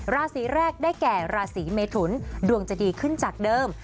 ราศีแรกได้แก่ราศีเมทุนดวงจะดีขึ้นจากเดิม